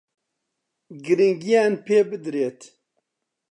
گرنگییان پێ بدرێت